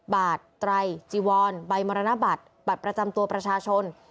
บาทไตรจีวอนใบมรณบัตรบัตรประจำตัวประชาชน